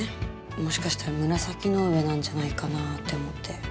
もしかしたら紫の上なんじゃないかなって思って。